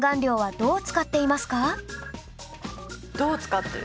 どう使ってる？